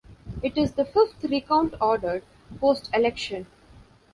It is the fifth recount ordered, post-election.